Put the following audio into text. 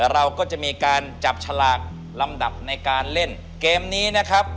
เราก็จะมีการจับฉลากลำดับในการเล่นเกมนี้นะครับ